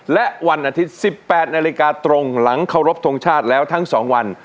และวันอาทิตย์๑๘นาฬิกาตรงหลังเคารพทงชาติแล้วทั้ง๒วัน